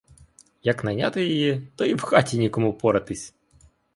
Як найняти її, то і в хаті нікому поратись!